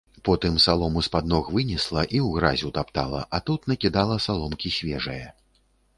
Потым салому з-пад ног вынесла і ў гразь утаптала, а тут накідала саломкі свежае.